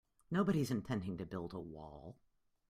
Nobody's intending to build a wall.